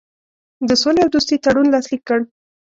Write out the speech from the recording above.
د سولي او دوستي تړون لاسلیک کړ.